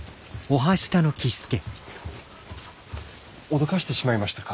脅かしてしまいましたか。